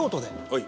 はい。